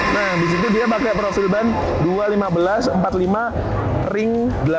nah di sini dia pakai profil ban dua puluh satu ribu lima ratus empat puluh lima ring delapan belas